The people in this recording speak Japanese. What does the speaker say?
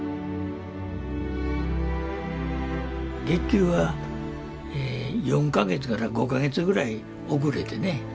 月給は４か月から５か月ぐらい遅れてね。